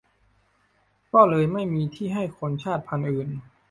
ก็เลยไม่มีที่ให้คนชาติพันธุ์อื่น